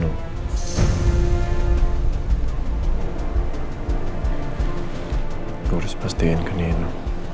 lu harus pasti ingin ke nino